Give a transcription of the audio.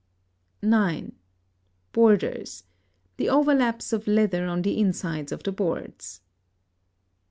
(9) Borders, the overlaps of leather on the insides of the boards.